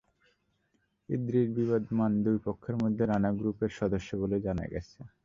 ইদ্রিস বিবদমান দুটি পক্ষের মধ্যে রানা গ্রুপের সদস্য বলে জানা গেছে।